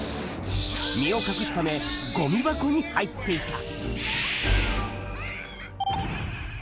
身を隠すため、ごみ箱に入っていた。